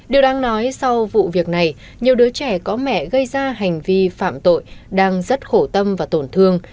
điều đáng nói sau vụ việc này nhiều đứa trẻ có mẹ gây ra hành vi phạm tội đang rất khổ tâm và tổn thương